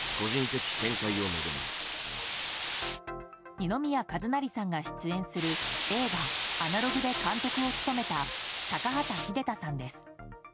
二宮和也さんが出演する映画「アナログ」で監督を務めたタカハタ秀太さんです。